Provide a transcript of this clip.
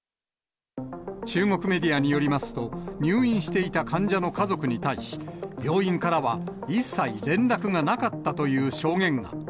中国メディアによりますと、入院していた患者の家族に対し、病院からは一切連絡がなかったという証言が。